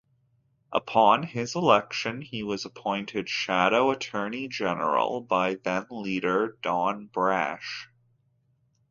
Upon his election, he was appointed shadow Attorney-General by then leader Don Brash.